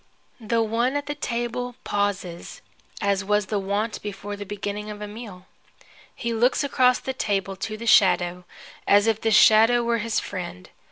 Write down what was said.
The one at the table pauses, as was the wont before the beginning of a meal. He looks across the table to the shadow, as if the shadow were his friend.